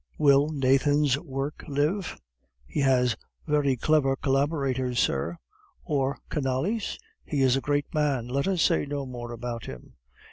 "Will Nathan's work live?" "He has very clever collaborators, sir." "Or Canalis?" "He is a great man; let us say no more about him."